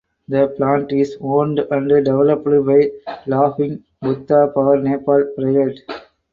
The plant is owned and developed by Laughing Buddha Power Nepal Pvt.